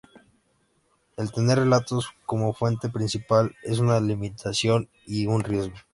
El tener relatos como fuente principal es una limitación y un riesgo.